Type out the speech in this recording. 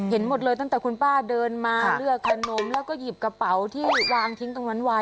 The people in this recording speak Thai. เห็นหมดเลยตั้งแต่คุณป้าเดินมาเลือกขนมแล้วก็หยิบกระเป๋าที่วางทิ้งตรงนั้นไว้